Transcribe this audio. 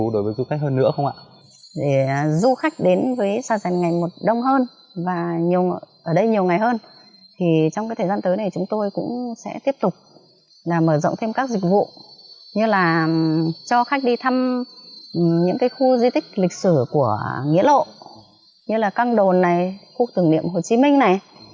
để du khách đến với sà rèn ngày một đông hơn và ở đây nhiều ngày hơn thì trong thời gian tới này chúng tôi cũng sẽ tiếp tục mở rộng thêm các dịch vụ như là cho khách đi thăm những khu di tích lịch sử của nghĩa lộ như là căng đồn này khu thường niệm hồ chí minh này